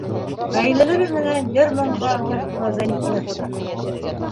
Ғаиләләре менән йыр-моңға әүәҫ була Зәйнетдиновтар.